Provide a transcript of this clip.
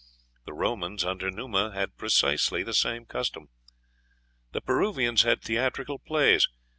The Romans under Numa had precisely the same custom. The Peruvians had theatrical plays.